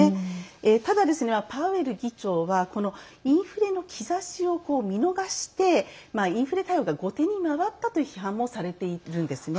ただ、パウエル議長はインフレの兆しを見逃してインフレ対応が後手に回ったと批判されているんですね。